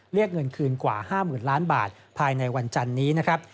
เรียกเงินคืนกว่า๕๐๐๐ล้านบาทภายในวันจันนี้นะครับ